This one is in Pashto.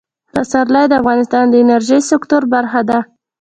پسرلی د افغانستان د انرژۍ سکتور برخه ده.